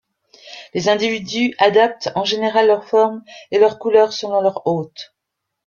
Les individus adaptent en général leur forme et leur couleur selon leur hôte.